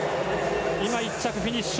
今、１着でフィニッシュ。